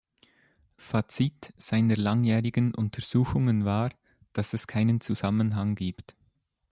Fazit seiner langjährigen Untersuchungen war, dass es keinen Zusammenhang gibt.